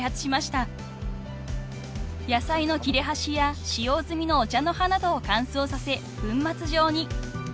［野菜の切れ端や使用済みのお茶の葉などを乾燥させ粉末状に］